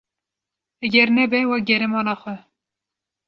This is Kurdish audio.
Eger nebe vegere mala xwe.